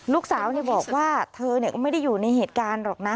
ลูกสาวบอกว่าเธอก็ไม่ได้อยู่ในเหตุการณ์หรอกนะ